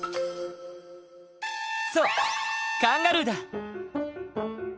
そうカンガルーだ！